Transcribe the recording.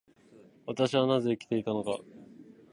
私はなぜ生きているのだろうか。